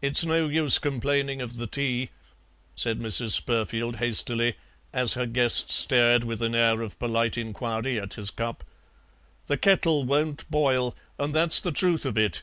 "It's no use complaining of the tea," said Mrs. Spurfield hastily, as her guest stared with an air of polite inquiry at his cup. "The kettle won't boil, that's the truth of it."